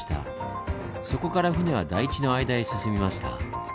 そこから船は台地の間へ進みました。